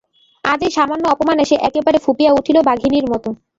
আজ এই সামান্য অপমানে সে একেবারে ফুপিয়া উঠিল বাঘিনীর মতো!